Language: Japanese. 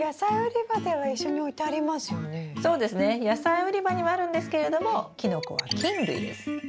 野菜売り場にはあるんですけれどもキノコは菌類です。